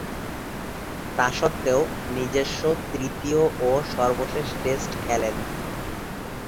তাসত্ত্বেও, নিজস্ব তৃতীয় ও সর্বশেষ টেস্ট খেলেন।